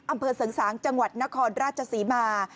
อำเภอเสริงสางจังหวัดนครราชศรีมา